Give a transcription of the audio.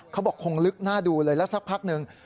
เขาบอกคงลึกหน้าดูเลยแล้วสักพักหนึ่ง